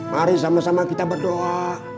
mari sama sama kita berdoa